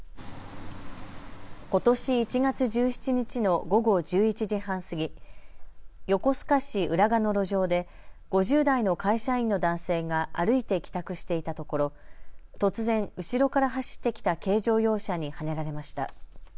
ことし１月１７日の午後１１時半過ぎ、横須賀市浦賀の路上で５０代の会社員の男性が歩いて帰宅していたところ突然、後ろから走ってきた軽乗用車にはねられました。